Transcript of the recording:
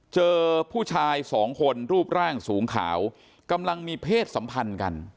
เจอผู้ชายสองคนรูปร่างสูงขาวกำลังมีเพศสัมพันธ์กัน